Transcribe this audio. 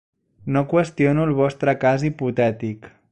No qüestiono el vostre cas hipotètic.